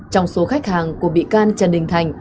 trong số khách hàng của bị can trần đình thành